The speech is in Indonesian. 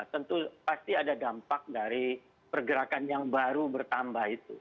tentu pasti ada dampak dari pergerakan yang baru bertambah itu